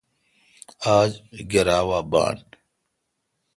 آج گرا وا بان۔